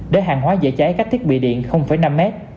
để hàng hóa dễ cháy cách thiết bị điện năm m